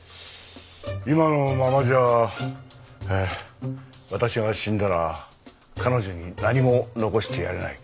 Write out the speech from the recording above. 今のままじゃ私が死んだら彼女に何も残してやれない。